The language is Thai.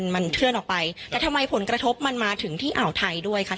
มันเคลื่อนออกไปแต่ทำไมผลกระทบมันมาถึงที่อ่าวไทยด้วยค่ะ